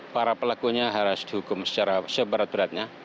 para pelakunya harus dihukum secara seberat beratnya